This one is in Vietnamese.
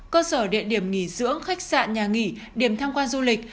cơ sở địa điểm nghỉ dưỡng khách sạn nhà nghỉ điểm tham quan du lịch